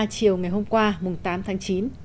chiều ngày hôm qua mùng tám tháng chín